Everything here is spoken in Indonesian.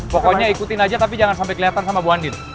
pokoknya ikutin aja tapi jangan sampai kelihatan sama bu andin